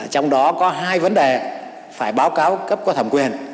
trong đó có hai vấn đề phải báo cáo cấp có thẩm quyền